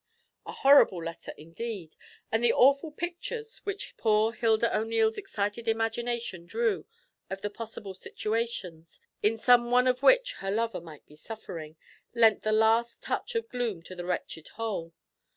A horrible letter, indeed! and the awful pictures which poor Hilda O'Neil's excited imagination drew of the possible situations, in some one of which her lover might be suffering, lent the last touch of gloom to the wretched whole.